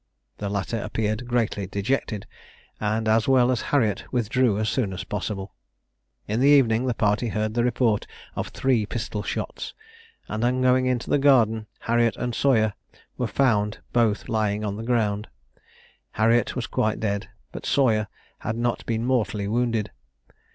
The latter appeared greatly dejected, and, as well as Harriet, withdrew as soon as possible. In the evening the party heard the report of three pistol shots; and, on going into the garden, Harriet and Sawyer were found both lying on the ground. Harriet was quite dead, but Sawyer had not been mortally wounded.